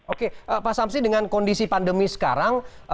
oke pak samsi dengan kondisi pandemi sekarang